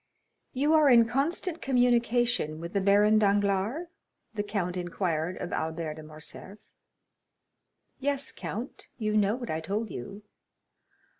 "You are in constant communication with the Baron Danglars?" the count inquired of Albert de Morcerf. "Yes, count, you know what I told you?"